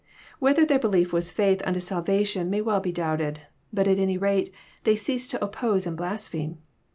Whether their belief was faith unto salvation may well be doubted ; bat at any rate they ceased to oppose and blaspheme.